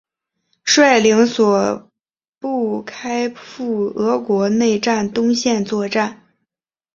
率领所部开赴俄国内战东线作战。